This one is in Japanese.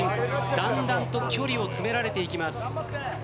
だんだんと距離を詰められていきます。